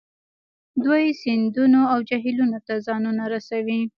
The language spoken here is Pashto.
دوی سیندونو او جهیلونو ته ځانونه رسوي